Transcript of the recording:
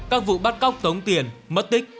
các vụ bắt cóc tống tiền mất tích